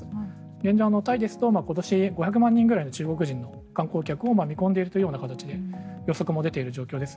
現状、タイですと今年、５００万人ぐらいの中国人観光客を見込んでいるというような形で予測も出ている状況です。